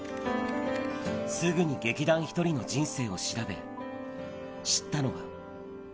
すぐに劇団ひとりの人生を調べ、知ったのは。